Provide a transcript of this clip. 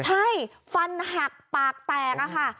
ใช่ฟันหักปากแตกอะค่ะ